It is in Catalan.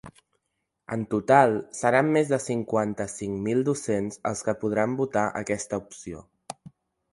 En total, seran més de cinquanta-cinc mil docents els que podran votar aquesta opció.